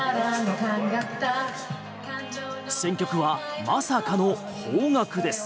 選曲はまさかの邦楽です。